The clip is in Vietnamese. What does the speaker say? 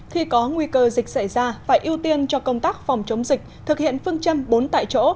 khi có nguy cơ dịch xảy ra phải ưu tiên cho công tác phòng chống dịch thực hiện phương châm bốn tại chỗ